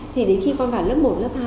thì đến khi con vào lớp một lớp hai